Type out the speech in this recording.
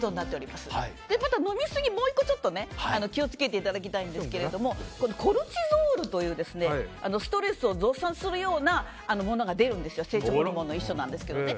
また、飲みすぎでもう１個気を付けていただきたいんですがコルチゾールというストレスを増産するようなものが出るんですよ、成長ホルモンの一種なんですけどね。